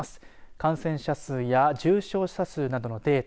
感染者数や重症者数などのデータ。